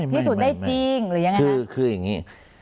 พิสุทธิ์ได้จริงหรือยังไงนะคือคือคืออย่างนี้